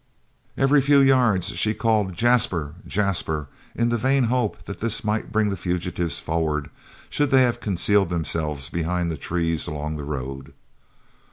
Every few yards she called, "Jasper! Jasper!" in the vain hope that this might bring the fugitives forward, should they have concealed themselves behind the trees along the road.